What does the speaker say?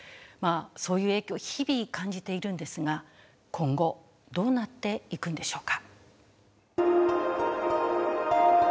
そういう影響日々感じているんですが今後どうなっていくんでしょうか。